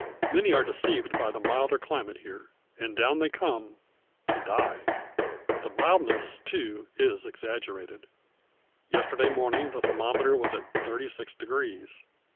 Many are deceived by the milder climate here; and down they come to die. The mildness, too, is exaggerated. Yesterday morning, the thermometer was at thirty six degrees.